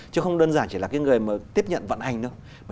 chứ không đơn giản chỉ là người tiếp nhận vận hành đâu